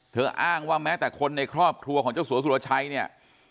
อ้างว่าแม้แต่คนในครอบครัวของเจ้าสัวสุรชัยเนี่ย